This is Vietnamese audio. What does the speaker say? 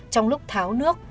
trong lúc tháo nước